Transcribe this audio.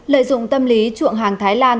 lợi dụng tâm lý chuộng hàng thái lan